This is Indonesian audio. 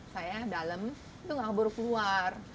saya dalam itu nggak keburu keluar